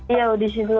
iya audisi dulu